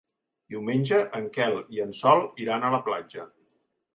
Diumenge en Quel i en Sol iran a la platja.